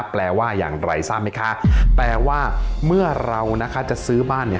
แปลว่าอย่างไรทราบไหมคะแปลว่าเมื่อเราจะซื้อบ้าน